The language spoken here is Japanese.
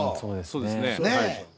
うんそうですね。